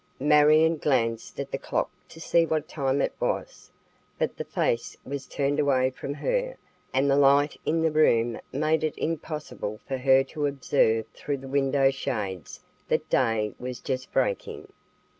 Marion glanced at the clock to see what time it was, but the face was turned away from her and the light in the room made it impossible for her to observe through the window shades that day was just breaking.